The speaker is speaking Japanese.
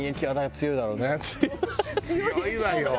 強いわよ。